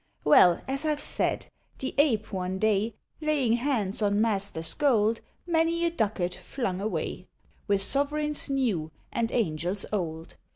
Well, as I've said, the Ape, one day, Laying hands on Master's gold, Many a ducat flung away, With sovereigns new and angels old.